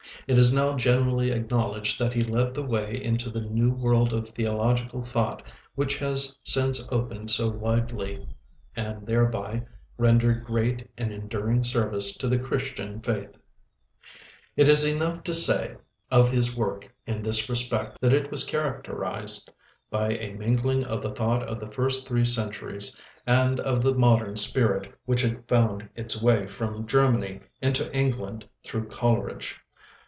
It is now generally acknowledged that he led the way into the new world of theological thought which has since opened so widely, and thereby rendered great and enduring service to the Christian faith. [Illustration: HORACE BUSHNELL] It is enough to say of his work in this respect that it was characterized by a mingling of the thought of the first three centuries, and of the modern spirit which had found its way from Germany into England through Coleridge.